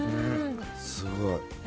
すごい。